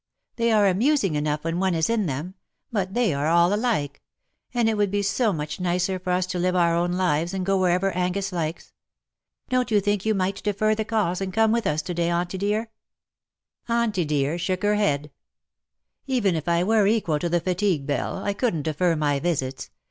" They are amusing enough when one is in them — but they are all alike — and it would be so much nicer for us to live our own lives, and go wdierevcr Angus likes. Don^t you think you might defer the calls, and come with us to day, Auntie dear?" lo4 IN SOCIETY. Auntie dear shook her head. ^^Even if I were equal to the fatigue^ Belle^ I couldn^t defer my visits.